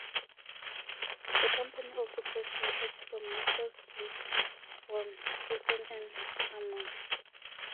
The company also pressed records from masters leased from Emerson and Paramount.